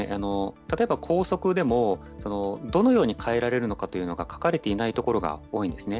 例えば校則でもどのように変えられるのかというのが書かれていない所が多いんですね。